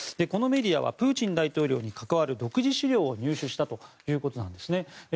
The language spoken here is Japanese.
このメディアはプーチン大統領に関わる独自資料を入手したということなんですね。